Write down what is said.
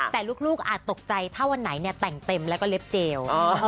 แต่ลูกอาจตกใจถ้าวันไหนเนี่ยแต่งเต็มแล้วก็เล็บเจล